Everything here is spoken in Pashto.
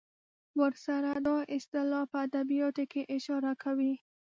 ورسره دا اصطلاح په ادبیاتو کې اشاره کوي.